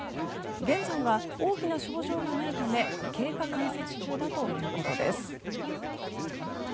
現在は大きな症状がないため経過観察中だということです。